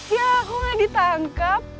ya aku gak ditangkap